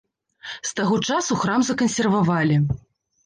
З таго часу храм закансервавалі.